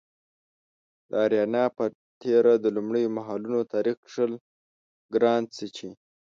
د اریانا په تیره د لومړیو مهالونو تاریخ کښل ګران څه چې